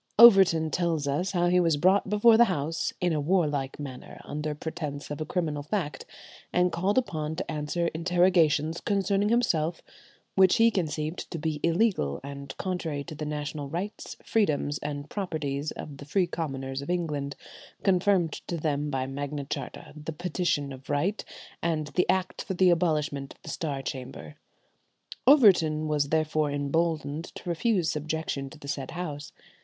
Overton tells us how he was brought before that House "in a warlike manner, under pretence of a criminal fact, and called upon to answer interrogations concerning himself which he conceived to be illegal and contrary to the national rights, freedoms, and properties of the free commoners of England, confirmed to them by Magna Charta, the Petition of Right, and the Act for the Abolishment of the Star Chamber." Overton was therefore emboldened to refuse subjection to the said House.